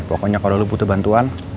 pokoknya kalo lo butuh bantuan